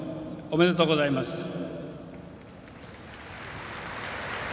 おめでとうございます。